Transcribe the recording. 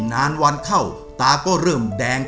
ควันมันก็จะเข้าตามาประมาณ๒๐ปี